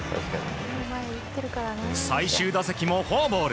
最終打席もフォアボール。